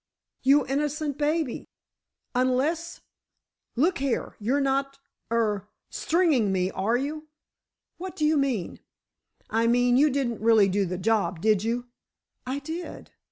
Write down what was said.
"You innocent baby. Unless—look here, you're not—er—stringing me, are you?" "What does that mean?" "I mean, you didn't really do the job, did you?" "I did."